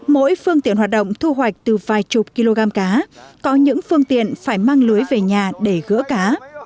mỗi phương tiện hoạt động thu hoạch từ vài chục kg cá có những phương tiện phải mang lưới về nhà để gỡ cá